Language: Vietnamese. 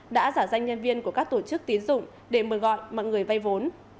đã giả danh nhân viên của các tổ chức tiến dụng để mời gọi mọi người vay vốn